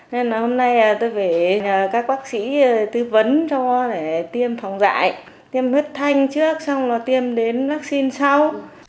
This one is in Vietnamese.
nên là hôm nay tôi phải các bác sĩ tư vấn cho để tiêm phòng dại tiêm hứt thanh trước xong rồi tiêm đến vaccine sau